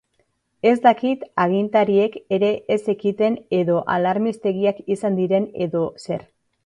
Ez dakit agintariek ere ez zekiten edo alarmistegiak izan diren edo zer.